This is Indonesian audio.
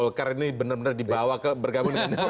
golkar ini benar benar dibawa ke bergabung dengan demokrat